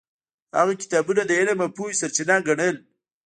هغه کتابونه د علم او پوهې سرچینه ګڼل.